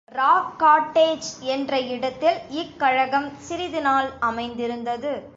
ராக்காட்டேஜ் என்ற இடத்தில் இக் கழகம் சிறிது நாள் அமைந்திருந்தது.